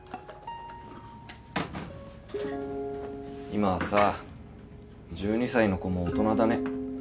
今はさ１２歳の子も大人だね。